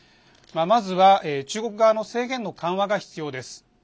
まずは、中国側の制限の緩和が必要です。